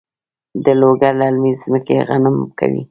د لوګر للمي ځمکې غنم کوي؟